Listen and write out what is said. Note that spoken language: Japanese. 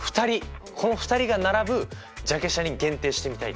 この２人が並ぶジャケ写に限定してみたいと思います。